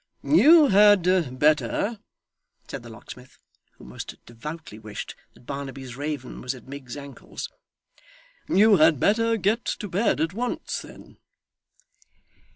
'You had better,' said the locksmith, who most devoutly wished that Barnaby's raven was at Miggs's ankles, 'you had better get to bed at once then.